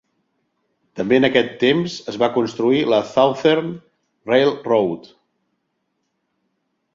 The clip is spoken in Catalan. També en aquest temps es va construir la Southern Railroad.